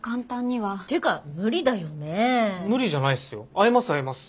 会えます会えます。